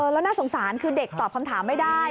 แล้วน่าสงสารคือเด็กตอบคำถามไม่ได้